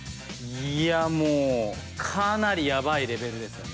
いやぁもうかなりやばいレベルですよね。